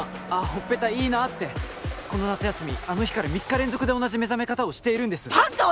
ほっぺたいいなあってこの夏休みあの日から３日連続で同じ目覚め方をしているんですパンか！